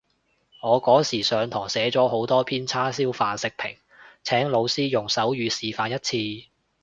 我嗰時上堂寫咗好多篇叉燒飯食評，請老師用手語示範一次